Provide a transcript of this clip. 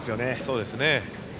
そうですね。